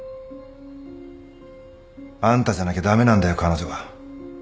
あんたじゃなきゃ駄目なんだよ彼女は。